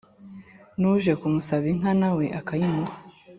n'uje kumusaba inka nawe akayimuha,